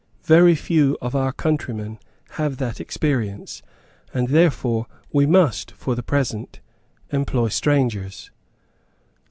Very few of our countrymen have that experience; and therefore we must for the present employ strangers."